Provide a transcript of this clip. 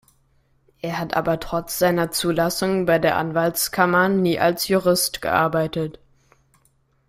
Er hat aber trotz seiner Zulassung bei der Anwaltskammer nie als Jurist gearbeitet.